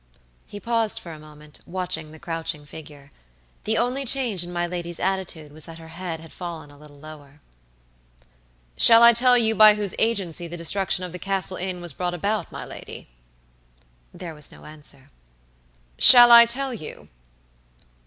He paused for a moment, watching the crouching figure. The only change in my lady's attitude was that her head had fallen a little lower. "Shall I tell you by whose agency the destruction of the Castle Inn was brought about, my lady?" There was no answer. "Shall I tell you?"